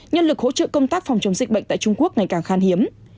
nhân lực hỗ trợ công tác phòng chống dịch bệnh tại trung quốc ngày càng khan hiếm